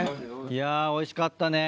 いやおいしかったね。